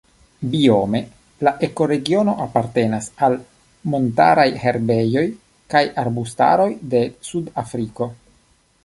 Biome la ekoregiono apartenas al montaraj herbejoj kaj arbustaroj de Sud-Afriko.